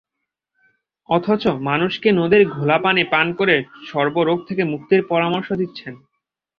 অথচ মানুষকে নদীর ঘোলা পানি পান করে সর্বরোগ থেকে মুক্তির পরামর্শ দিচ্ছেন।